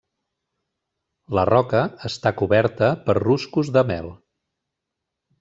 La roca està coberta per ruscos de mel.